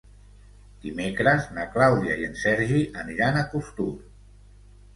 Dimecres na Clàudia i en Sergi aniran a Costur.